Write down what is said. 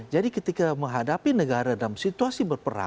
jadi ketika menghadapi negara dalam situasi berperang